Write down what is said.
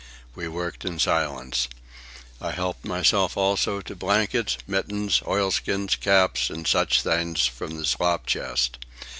We worked in silence. I helped myself also to blankets, mittens, oilskins, caps, and such things, from the slop chest.